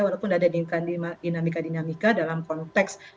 walaupun ada dinamika dinamika dalam konteks